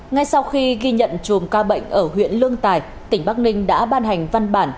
ngay sau khi ghi nhận chùm ca bệnh ở huyện lương tài tỉnh bắc ninh đã ban hành văn bản